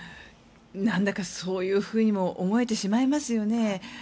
なんだかそういうふうにも思えてしまいますよね。